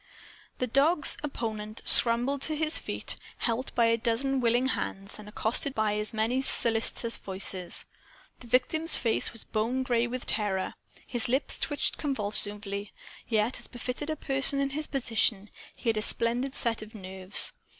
The dog's opponent scrambled to his feet, helped by a dozen willing hands and accosted by as many solicitous voices. The victim's face was bone gray with terror. His lips twitched convulsively. Yet, as befitted a person in his position, he had a splendid set of nerves.